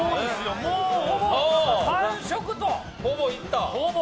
もうほぼ完食と、ほぼいった。